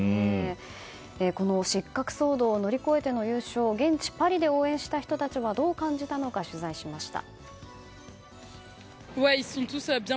この失格騒動を乗り越えての優勝を現地パリで応援した人たちはどう感じたのか取材しました。